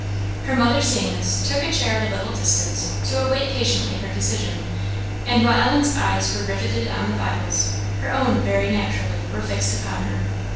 Her mother seeing this, took a chair at a little distance, to await patiently her decision; and while Ellen's eyes were riveted on the Bibles, her own, very naturally, were fixed upon her.